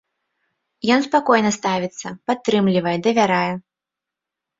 Ён спакойна ставіцца, падтрымлівае, давярае.